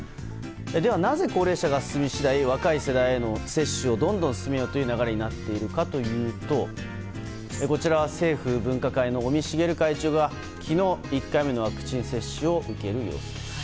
では、なぜ高齢者が進み次第若い世代への接種をどんどん進めようという流れになっているのかというとこちらは政府分科会の尾身茂会長が昨日、１回目のワクチン接種を受ける様子です。